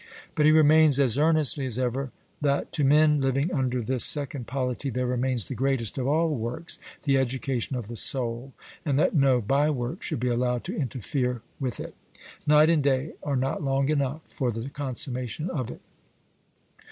But he maintains as earnestly as ever that 'to men living under this second polity there remains the greatest of all works, the education of the soul,' and that no bye work should be allowed to interfere with it. Night and day are not long enough for the consummation of it.